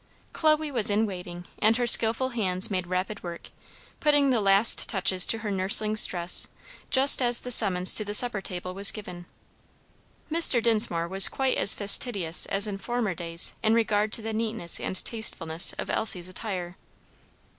Chloe was in waiting and her skilful hands made rapid work, putting the last touches to her nursling's dress just as the summons to the supper table was given. Mr. Dinsmore was quite as fastidious as in former days in regard to the neatness and tastefulness of Elsie's attire.